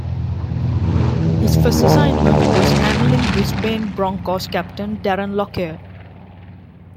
His first assignment was handling Brisbane Broncos captain Darren Lockyer.